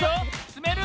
つめる？